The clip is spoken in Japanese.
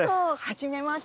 はじめまして。